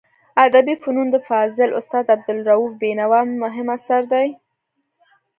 ادبي فنون د فاضل استاد عبدالروف بینوا مهم اثر دی.